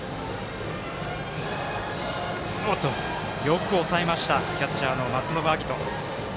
よく抑えました、キャッチャーの松延晶音。